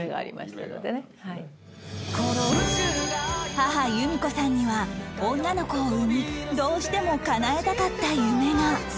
母由見子さんには女の子を産みどうしてもかなえたかった夢が